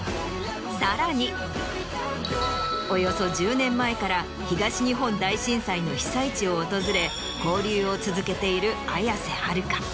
さらにおよそ１０年前から東日本大震災の被災地を訪れ交流を続けている綾瀬はるか。